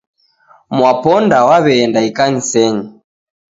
Mwaponda waw'eenda ikanisenyi.